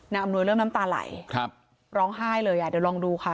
อำนวยเริ่มน้ำตาไหลครับร้องไห้เลยอ่ะเดี๋ยวลองดูค่ะ